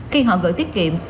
khi họ gửi tiết kiệm